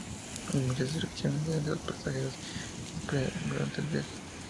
Hay muchas descripciones de los pasajeros y sus experiencias durante el viaje.